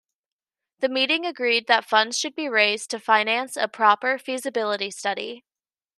The meeting agreed that funds should be raised to finance a proper feasibility study.